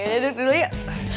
ayo duduk dulu yuk